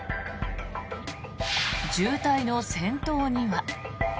渋滞の先頭には。